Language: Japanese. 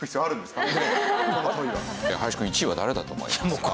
林くん１位は誰だと思いますか？